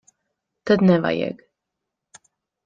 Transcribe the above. Tad nevajag.